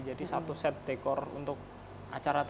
jadi satu set dekor untuk acara